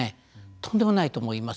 とんでもないと思います。